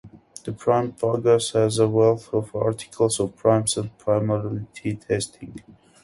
The Prime Pages has a wealth of articles on primes and primality testing.